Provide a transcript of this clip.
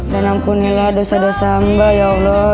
dan alhamdulillah dosa dosa amba ya allah